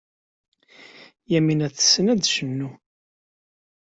Yamina tessen ad tecnu.